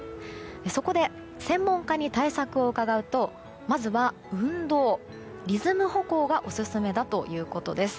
そこで、専門家に対策を伺うとまずは運動、リズム歩行がオススメだということです。